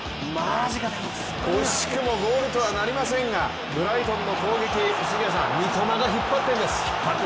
惜しくもゴールとはなりませんがブライトンの攻撃、三笘が引っ張っているんです。